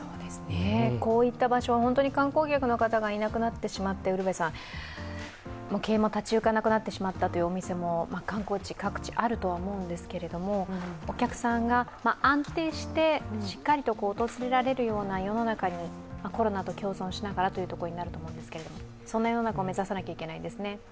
こういった場所は本当に観光客の方がいなくなってしまって経営も立ち行かなくなってしまったお店も観光地もあると思うんですが、お客さんが安定してしっかりと訪れられるような世の中にコロナと共存しながらということになるかと思いますがそんな世の中を目指さないといけないんですね。